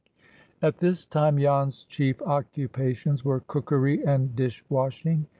At this time Jan's chief occupations were cookery and dish washing.